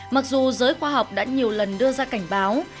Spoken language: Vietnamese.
mặc dù giới khoa học đã nhiều lần đưa ra cảnh báo